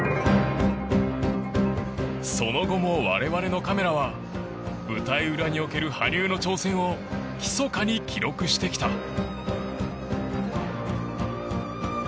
その後も我々のカメラは舞台裏における羽生の挑戦を密かに記録してきた。